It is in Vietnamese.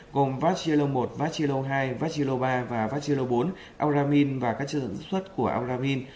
gồm vagelo một vagelo hai vagelo ba và vagelo bốn auramin và các chất sản xuất của auramin